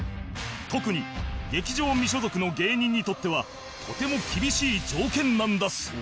特に劇場未所属の芸人にとってはとても厳しい条件なんだそう